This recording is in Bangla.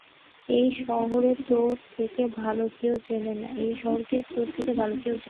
এই শহরকে তোর থেকে ভালো কেউ চেনে না।